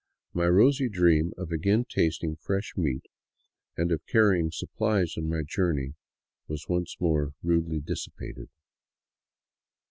My rosy dream of again tasting fresh meat and of carrying supplies on my journey was once more rudely dissipated.